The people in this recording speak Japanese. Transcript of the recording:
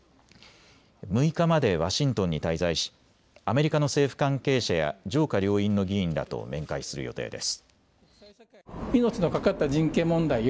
６日までワシントンに滞在しアメリカの政府関係者や上下両院の議員らと面会する予定です。